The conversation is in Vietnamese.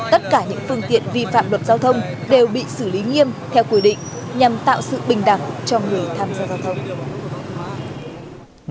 tất cả những phương tiện vi phạm luật giao thông đều bị xử lý nghiêm theo quy định nhằm tạo sự bình đẳng cho người tham gia giao thông